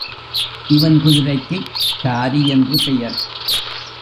இவன் குதிரைக்குக் காரி என்று பெயர்.